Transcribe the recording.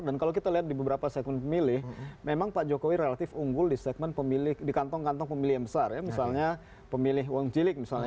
dan kalau kita lihat di beberapa segmen pemilih memang pak jokowi relatif unggul di segmen pemilih di kantong kantong pemilih yang besar ya misalnya pemilih wong jilik misalnya